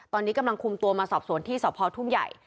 ตอนนี้กำลังคุมตัวมาสอบสวนที่สพทุ่งใหญ่